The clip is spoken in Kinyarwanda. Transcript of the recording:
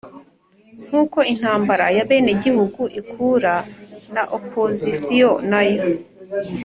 nkuko intambara y'abenegihugu ikura, na opozisiyo nayo